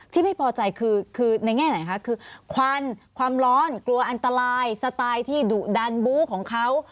ที่ไม่พอใจคือในแง่ไหนคะคือควันความร้อนกลัวอันตรายสไตล์ที่ดุดันบู้ของเขา